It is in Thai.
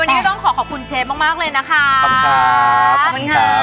วันนี้ต้องขอขอบคุณเชฟมากเลยนะครับ